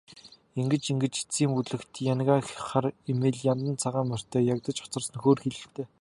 Ингэж ингэж эцсийн бүлэгт янгиа хар эмээл, яндан цагаан морьтой ягдаж хоцорсон нь хөөрхийлөлтэй.